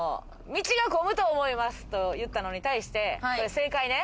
道が混むと思いますと言ったのに対して、正解ね。